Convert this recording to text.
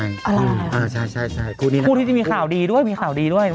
อะไรนะครับคู่นี้นะครับคู่คู่ที่จะมีข่าวดีด้วยมีข่าวดีด้วย